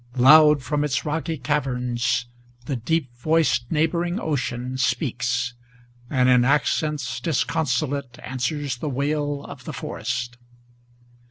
Loud from its rocky caverns, the deep voiced neighboring ocean Speaks, and in accents disconsolate answers the wail of the forest.